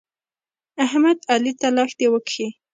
احمد؛ علي ته لښتې وکښې.